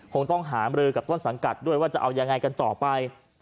คงต้องหามรือกับต้นสังกัดด้วยว่าจะเอายังไงกันต่อไป